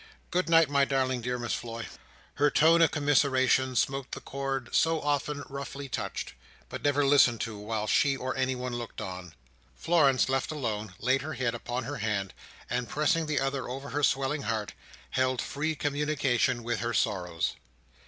"Good night, my darling dear Miss Floy." Her tone of commiseration smote the chord so often roughly touched, but never listened to while she or anyone looked on. Florence left alone, laid her head upon her hand, and pressing the other over her swelling heart, held free communication with her sorrows.